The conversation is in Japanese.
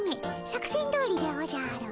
作戦どおりでおじゃる。